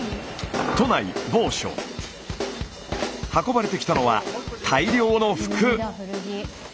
運ばれてきたのは大量の服。